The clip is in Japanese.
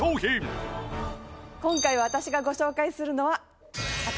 今回私がご紹介するのは。